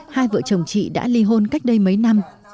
hai vợ chồng chị đã ly hôn cách đây mấy năm